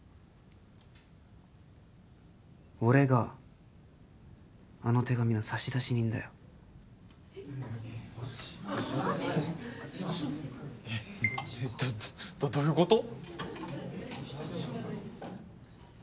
俺があの手紙の差出人だよどどういうこと？